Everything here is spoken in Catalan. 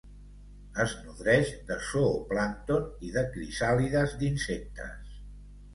Es nodreix de zooplàncton i de crisàlides d'insectes.